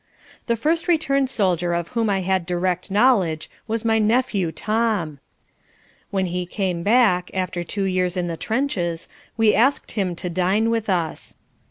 The first returned soldier of whom I had direct knowledge was my nephew Tom. When he came back, after two years in the trenches, we asked him to dine with us.